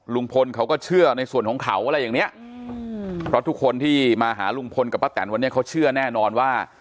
ลุงพลเขาก็เชื่อในส่วนของเขาอะไรอย่างเนี้ยเพราะทุกคนที่มาหาลุงพลกับป้าแตนวันนี้เขาเชื่อแน่นอนว่า